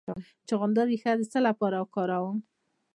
د چغندر ریښه د څه لپاره وکاروم؟